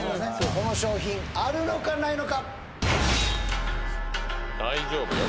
この商品あるのかないのか大丈夫よ